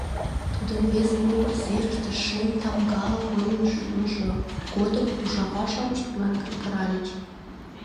Тудын вес могыр серыште шем тамгала коймыжо годым ужава-шамыч тудлан кычкыральыч: